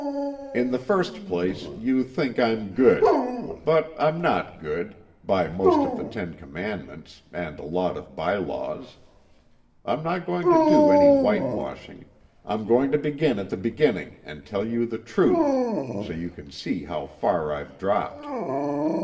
"In the first place, you think I'm good. But, I'm not good by most of the ten commandments, and a lot of by laws. I'm not going to do any white washing I'm going to begin at the beginning and tell you the truth, so you can see how far I've dropped.